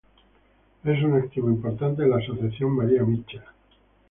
Es un activo importante de la Asociación Maria Mitchell.